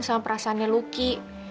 sama perasaannya luki